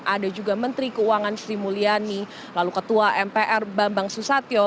ada juga menteri keuangan sri mulyani lalu ketua mpr bambang susatyo